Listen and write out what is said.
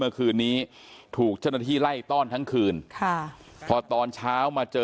เมื่อคืนนี้ถูกเจ้าหน้าที่ไล่ต้อนทั้งคืนค่ะพอตอนเช้ามาเจอ